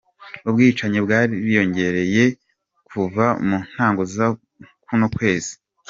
Ubwicanyi bwariyongeye kuva mu ntango za kuno kwezi.